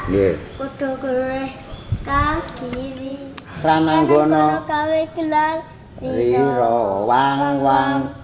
cerita gatot kaca dalam mahabharata